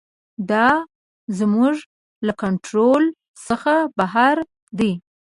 دا زموږ له کنټرول څخه بهر دی.